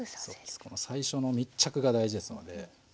そうですこの最初の密着が大事ですので。